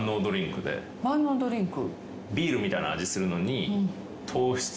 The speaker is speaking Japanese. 万能ドリンク？